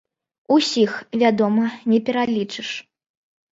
Усіх, вядома, не пералічыш.